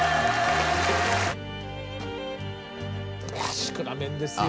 シクラメンですよ。